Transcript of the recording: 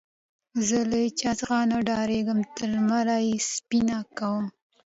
زه له هيچا څخه نه ډارېږم؛ تر لمر يې سپينه کوم.